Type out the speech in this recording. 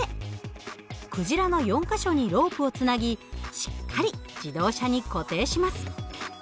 クジラの４か所にロープをつなぎしっかり自動車に固定します。